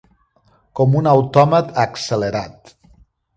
Com un autòmat accelerat.